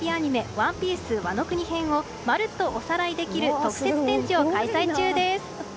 「“ＯＮＥＰＩＥＣＥ”ワノ国編」をまるっとおさらいできる特設展示を開催中です。